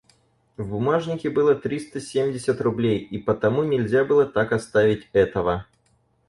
В бумажнике было триста семьдесят рублей, и потому нельзя было так оставить этого.